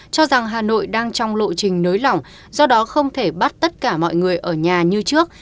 cho rằng hà nội đang trong lộ trình nới lỏng do đó không thể bắt tất cả mọi người ở nhà như trước